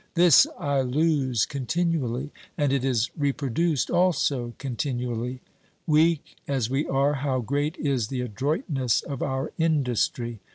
This I lose continually, and it is reproduced also continually. Weak as we are, how great is the adroitness of our industry !